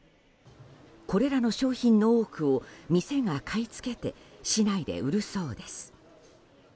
これらの商品の多くを店が買い付けて市内で売るそうです。